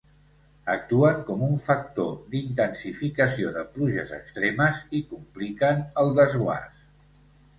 Actuen com un factor d'intensificació de pluges extremes i compliquen el desguàs.